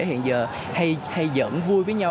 hiện giờ hay giận vui với nhau